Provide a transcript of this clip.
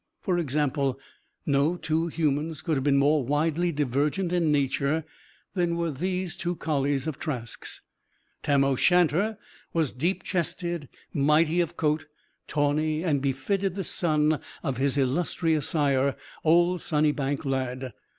For example, no two humans could have been more widely divergent in nature than were these two collies of Trask's. Tam o' Shanter was deep chested, mighty of coat, tawny; as befitted the son of his illustrious sire, old Sunnybank Lad.